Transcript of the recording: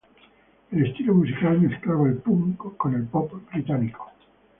El estilo musical mezclaba el punk con el pop británico.